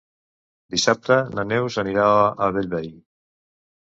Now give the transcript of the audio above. Dissabte na Neus anirà a Bellvei.